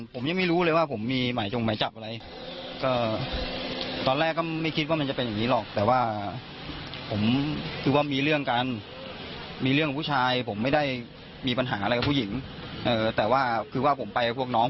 พวกน้องประมาณเกือบ๑๐คน